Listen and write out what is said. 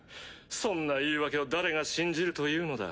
そんな言い訳を誰が信じるというのだ。